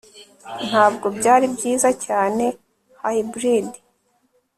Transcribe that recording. Ntabwo byari byiza cyane Hybrid